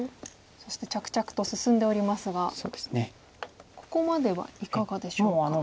そして着々と進んでおりますがここまではいかがでしょうか？